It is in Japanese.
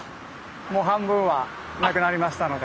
もう半分はなくなりましたので。